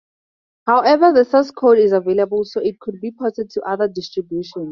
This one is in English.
However the source code is available, so it could be ported to other distributions.